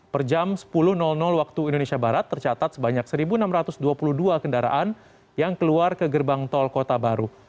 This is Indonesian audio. per jam sepuluh waktu indonesia barat tercatat sebanyak satu enam ratus dua puluh dua kendaraan yang keluar ke gerbang tol kota baru